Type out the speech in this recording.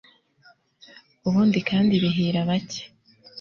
ubundi kandi bihira bake